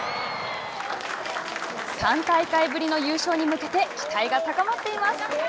３大会ぶりの優勝に向けて期待が高まっています。